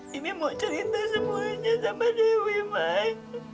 bibi mau cerita semuanya sama dewi mai